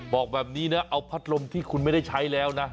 บอกแบบนี้นะเอาพัดลมที่คุณไม่ได้ใช้แล้วนะ